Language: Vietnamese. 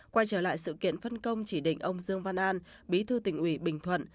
quay trở lại sự kiện phân công chỉ định ông dương văn an bí thư tỉnh ủy bình thuận